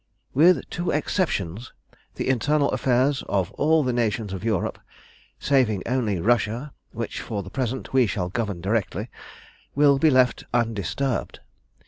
"With two exceptions the internal affairs of all the nations of Europe, saving only Russia, which for the present we shall govern directly, will be left undisturbed.